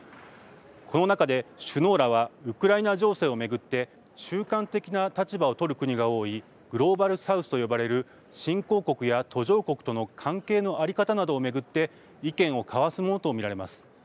この中で首脳らはウクライナ情勢を巡って中間的な立場を取る国が多いグローバル・サウスと呼ばれる新興国や途上国との関係の在り方などを巡って意見を交わすものと見られます。